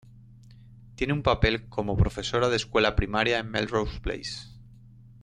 Tiene un papel cómo profesora de escuela primaria en Melrose Place.